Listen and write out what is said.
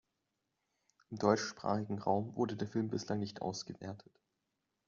Im deutschsprachigen Raum wurde der Film bislang nicht ausgewertet.